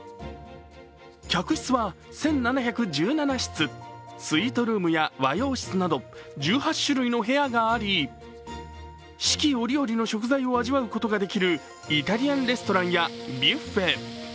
客室は１７１７室、スイートルームや和洋室など１８種類の部屋があり、四季折々の食材を味わうことができるイタリアンレストランやビュッフェ。